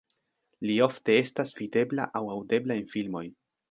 Li ofte estas videbla aŭ aŭdebla en filmoj.